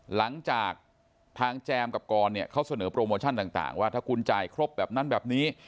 หลังจากทางแจมกับกรเนี่ยเขาเสนอโปรโมชั่นต่างว่าถ้าคุณจ่ายครบแบบนั้นแบบนี้